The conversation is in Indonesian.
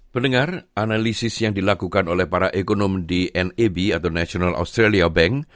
pendengar analisis yang dilakukan oleh para ekonomi di neb atau national australia bank